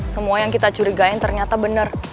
semua yang kita curigain ternyata benar